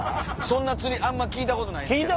そんな釣りあんま聞いたことないですけど。